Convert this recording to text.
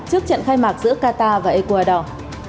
trước trận khai mạc giữa qatar và ecuador